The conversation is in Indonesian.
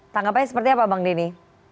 tanggapnya seperti apa bang deni